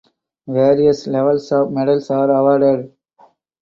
Various levels of medals are awarded.